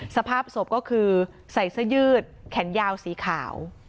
สภาพศพก็คือใส่เสื้อยืดแขนยาวสีขาว